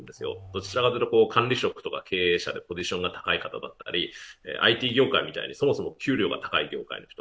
どちらかというと管理職とか経営者、ポジションが高い方だったりＩＴ業界みたいに、そもそも給料が高い業界の人。